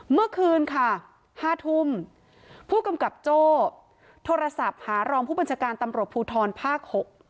เมื่อคืนค่ะ๕ทุ่มผู้กำกับโจ้โทรศัพท์หารองผู้บัญชาการตำรวจภูทรภาค๖